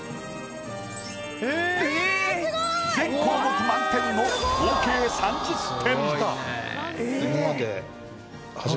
全項目満点の合計３０点！